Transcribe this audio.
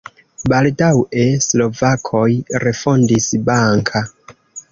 Baldaŭe slovakoj refondis Banka.